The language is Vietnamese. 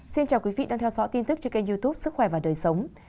xin chào quý vị đang theo dõi tin tức trên kênh youtube sức khỏe và đời sống